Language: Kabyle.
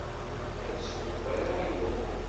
Ad swen warraw-inu.